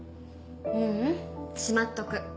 ううんしまっとく。